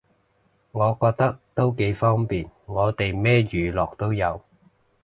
我覺得都幾方便，我哋咩娛樂都有